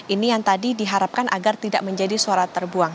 ini yang tadi diharapkan agar tidak menjadi suara terbuang